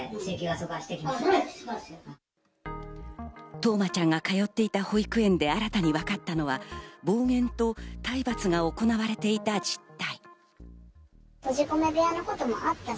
冬生ちゃんが通っていた保育園で新たに分かったのは暴言と体罰が行われていた実態。